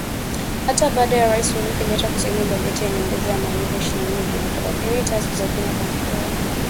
Hata baada ya Rais Uhuru Kenyatta kusaini bajeti ya nyongeza kwa malipo ya shilingi bilioni thelathini na tatu za Kenya kwa Mfuko wa Kodi ya Maendeleo ya Petroli